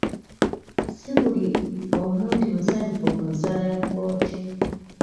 Si buli omu nti musanyufu ku nsala ya kkooti.